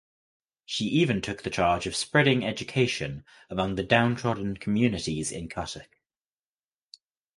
She even took the charge of spreading education among the downtrodden communities in Cuttack.